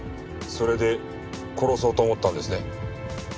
それで殺そうと思ったんですね？